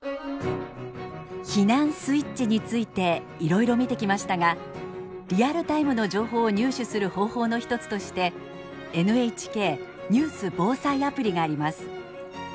避難スイッチについていろいろ見てきましたがリアルタイムの情報を入手する方法の一つとしてＮＨＫニュース防災アプリがあります。